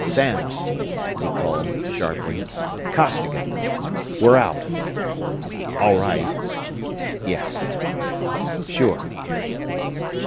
"Samms!" he called, sharply. "Costigan. We're out ... all right ... yes ... sure